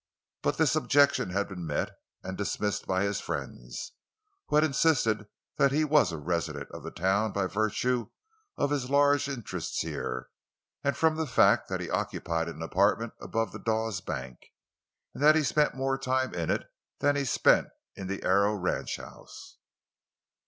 But this objection had been met and dismissed by his friends, who had insisted that he was a resident of the town by virtue of his large interests there, and from the fact that he occupied an apartment above the Dawes bank, and that he spent more time in it than he spent in the Arrow ranchhouse.